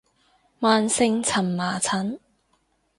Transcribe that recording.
慢性蕁麻疹